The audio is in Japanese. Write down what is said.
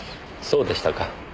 そうでしたか。